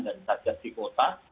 dan sarjad di kota